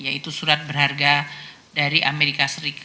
yaitu surat berharga dari amerika serikat